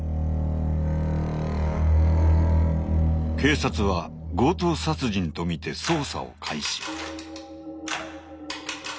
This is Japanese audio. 警察は強盗殺人とみて捜査を開始。